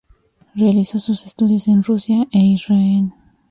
Realizó sus estudios en Rusia e Israel.